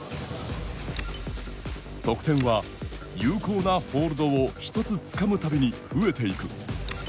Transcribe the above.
得点は有効なホールドを１つつかむたびに増えていく。